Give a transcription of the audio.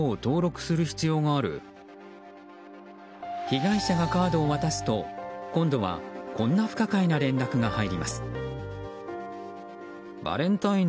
被害者がカードを渡すと今度は、こんな不可解な連絡が入ります。